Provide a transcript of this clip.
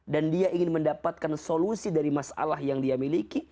dia ingin mendapatkan solusi dari masalah yang dia miliki